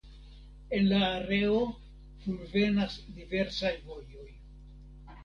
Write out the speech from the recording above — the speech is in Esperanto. En la areo kunvenas diversaj vojoj.